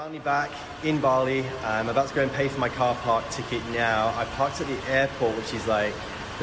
saya kembali di bali saya akan pergi membeli tiket untuk parkir mobil saya sekarang